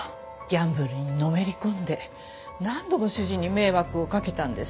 ギャンブルにのめり込んで何度も主人に迷惑をかけたんです。